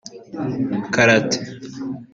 Karate